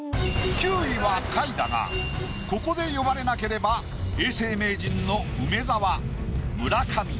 ９位は下位だがここで呼ばれなければ永世名人の梅沢村上